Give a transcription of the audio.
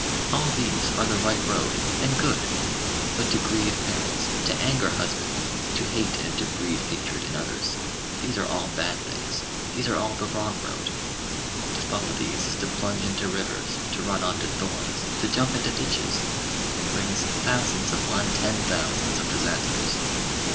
all these are the right road, and good; but to grieve parents, to anger husbands, to hate and to breed hatred in others, these are all bad things, these are all the wrong road. To follow these is to plunge into rivers, to run on to thorns, to jump into ditches, and brings thousands upon ten thousands of disasters.